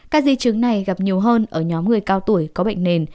các di chứng này gặp nhiều hơn ở nhóm người cao tuổi có bệnh nền